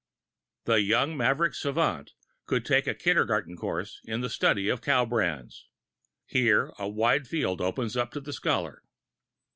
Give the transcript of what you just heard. The young Maverick savant could take a kindergarten course in the study of cow brands. Here a wide field opens up to the scholar.